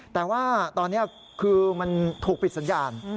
แต่ว่าตอนนี้คือมันถูกปิดสัญญาณ